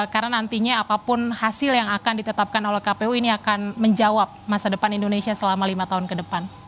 karena nantinya apapun hasil yang akan ditetapkan oleh kpu ini akan menjawab masa depan indonesia selama lima tahun ke depan